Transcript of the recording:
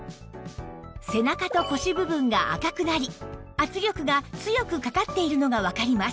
背中と腰部分が赤くなり圧力が強くかかっているのがわかります